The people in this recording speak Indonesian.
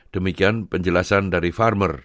demikian penjelasan dari farmer